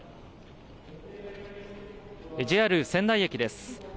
ＪＲ仙台駅です。